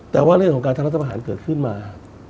แต่ว่าเรื่องของการทำรัฐประหารเกิดขึ้นมา